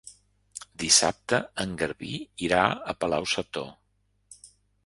Dissabte en Garbí irà a Palau-sator.